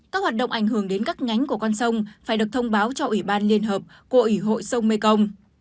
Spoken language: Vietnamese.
các hoạt động ảnh hưởng đến các nhánh của con sông phải được thông báo cho ủy ban liên hợp của ủy hội sông mekong